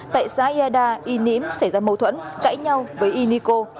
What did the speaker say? tại xã yeda yenim xảy ra mâu thuẫn cãi nhau với yeniko